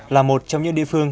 là một trong những địa phương